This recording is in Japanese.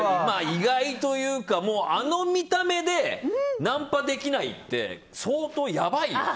意外というかあの見た目でナンパできないって相当、やばいよ。